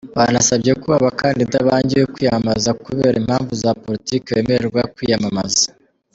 Banasabye ko “abakandida bangiwe kwiyamamaza kubera impamvu za politiki” bemererwa kwiyamamaza.